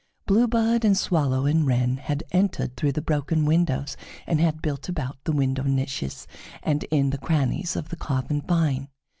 Bluebird and swallow and wren had entered through the broken windows, and had built about the window niches and in the crannies of the carven vine.